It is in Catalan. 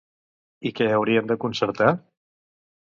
I què haurien de concertar?